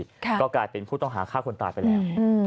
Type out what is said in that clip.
ก็กลายเป็นผู้ต้องหาฆ่าคนตายไปแล้ว